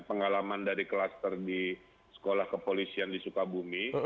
pengalaman dari kluster di sekolah kepolisian di sukabumi